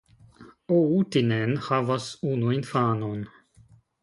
Outinen havas unu infanon.